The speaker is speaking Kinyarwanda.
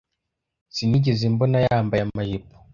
Sinigeze mbona yambaye amajipo